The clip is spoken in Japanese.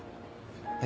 えっ？